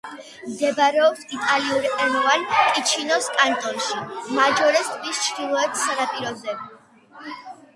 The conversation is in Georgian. მდებარეობს იტალიურენოვან ტიჩინოს კანტონში, მაჯორეს ტბის ჩრდილოეთ სანაპიროზე.